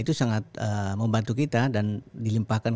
itu sangat membantu kita dan dilimpahkan